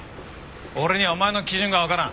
俺にはお前の基準がわからん。